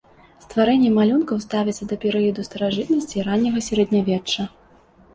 Стварэнне малюнкаў ставіцца да перыядаў старажытнасці і ранняга сярэднявечча.